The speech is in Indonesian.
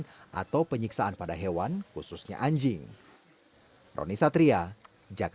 program microchipping ini dapat menurunkan angka kekerasan